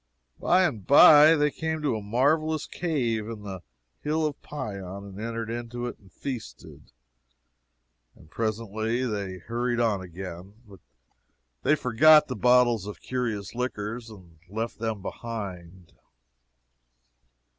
By and by they came to a marvelous cave in the Hill of Pion and entered into it and feasted, and presently they hurried on again. But they forgot the bottles of curious liquors, and left them behind.